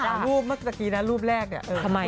ใส่ทั้งรูปเมื่อกี้นะรูปแรกเนี่ย